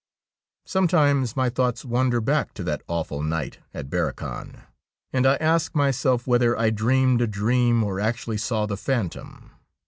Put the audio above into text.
Sometimes my thoughts wander back to that awful night at Barrochan, and I ask myself whether I dreamed a dream or actually saw the phantom.